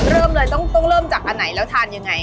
เริ่มเลยต้องเริ่มจากอันไหนแล้วทานยังไง